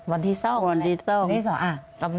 วันที่ซ่องพี่อึ๊มา